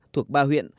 thuộc ba huyện